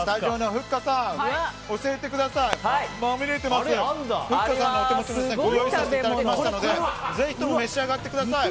ふっかさんにもご用意させていただきましたのでぜひとも召し上がってください。